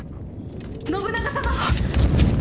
信長様！